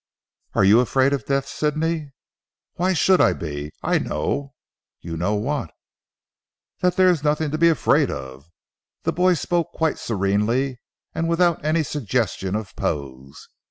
"Are you afraid of death Sidney?" "Why should I be? I know." "You know what?" "That there is nothing to be afraid of." The boy spoke quite serenely and without any suggestion of pose.